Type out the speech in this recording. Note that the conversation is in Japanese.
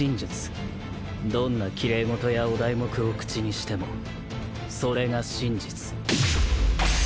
どんな奇麗事やお題目を口にしてもそれが真実。